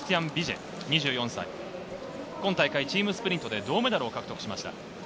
今大会チームスプリントで銅メダルを獲得しました、